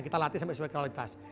kita latih sampai sesuai kualitas